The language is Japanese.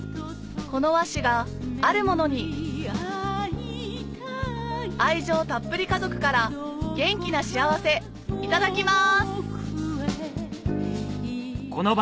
この和紙があるものに愛情たっぷり家族から元気なしあわせいただきます